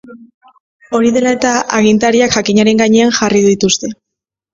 Hori dela eta, agintariak jakinaren gainean jarri dituzte.